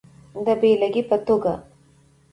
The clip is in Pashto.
د بېلګې په توګه